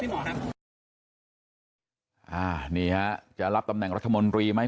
พี่หมอครับอ่านี่ฮะจะรับตำแหน่งรัฐบนตรีไหม